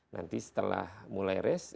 nanti setelah mulai race